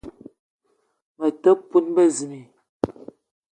Me te poun bezimbi